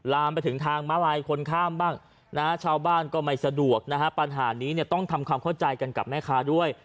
ลามไปถึงทางมาลายคนข้ามบ้างนะฮะชาวบ้านก็ไม่สะดวกนะฮะปัญหานี้เนี่ยต้องทำความเข้าใจกันกับแม่ค้าด้วย